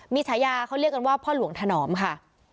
มีฉายาเขาเรียกกันว่าพ่อหลวงถนอมค่ะ